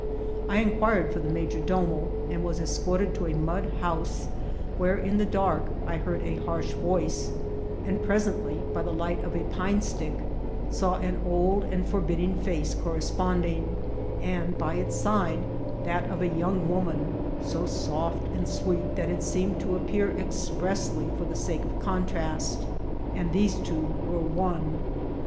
'' I inquired for the major domo, and was escorted to a mud house, where in the dark I heard a har^ voiee, and presently, by the light of a pine stick, saw an old and forbidding &oe corresponding, and by its side that of a young woman, so soft and sweet that it seem* ed to appear expressly for the sake of contrast ; and these two were one.